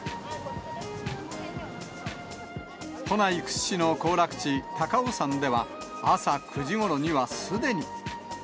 都内屈指の行楽地、高尾山では、朝９時ごろにはすでに。